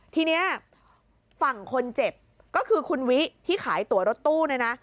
ทีนี้ฝั่งคนเจ็บก็คือคุณวิที่ขายตัวรถตู้เนี่ยนะ